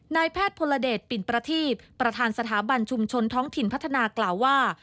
นายแพทย์พลเดชปิ่นประทีปประธานสถาบันชุมชนท้องถิ่นพัฒนากล่าวว่า